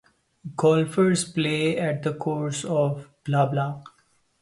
Golfers play at the course of the Terang Golf Club on High Street.